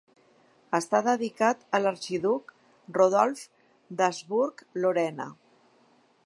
Està dedicat a l'arxiduc Rodolf d'Habsburg-Lorena.